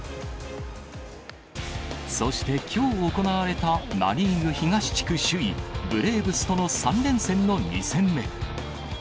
そして、きょう行われたナ・リーグ東地区首位、ブレーブスとの３連戦の２戦目。